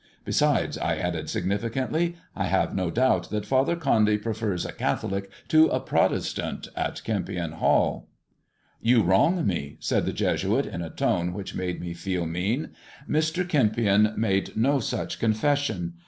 Besides,'' I added, significantly, " I have no doubt that Father Condy prefers a Catholic to a Protestant at Kempion Kail." You wrong me," said the Jesuit, in a tone which made me feel mean. " Mr. Kempion made no such confession.